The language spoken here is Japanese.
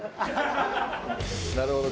なるほど。